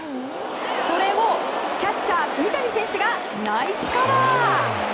それをキャッチャー炭谷選手がナイスカバー。